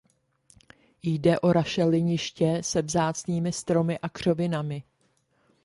Jde o rašeliniště se vzácnými stromy a křovinami.